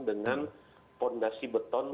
dengan fondasi beton